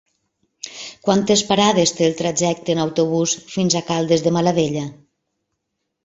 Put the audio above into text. Quantes parades té el trajecte en autobús fins a Caldes de Malavella?